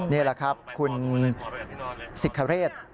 นี่แหละครับคุณสิทธิ์ขระเรศ